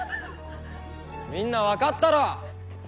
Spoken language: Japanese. みんな分かったろ？